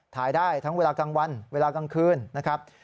ถ่ายได้ทั้งเวลากลางวันเวลากลางคืนนะครับ